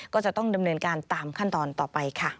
ก็จะต้องดำเนินการตามขั้นตอนต่อไปค่ะ